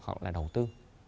hoặc là đầu tư